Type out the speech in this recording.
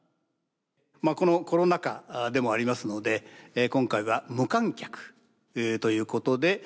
まあこのコロナ禍でもありますので今回は無観客ということで進行させて頂きます。